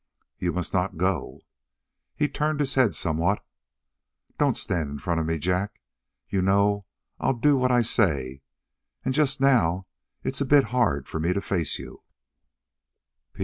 "You must not go!" He turned his head somewhat. "Don't stand in front of me, Jack. You know I'll do what I say, and just now it's a bit hard for me to face you."